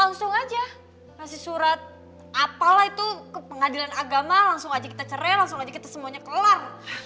langsung aja kasih surat apalah itu ke pengadilan agama langsung aja kita cerai langsung aja kita semuanya kelar